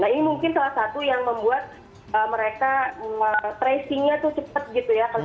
nah ini mungkin salah satu yang membuat mereka tracingnya tuh cepat gitu ya